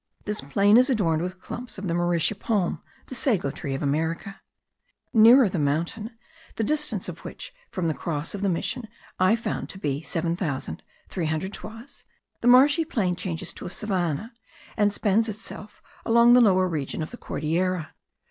This plain is adorned with clumps of the mauritia palm, the sago tree of America. Nearer the mountain, the distance of which from the cross of the mission I found to be seven thousand three hundred toises, the marshy plain changes to a savannah, and spends itself along the lower region of the Cordillera.